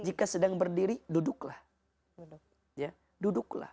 jika sedang berdiri duduklah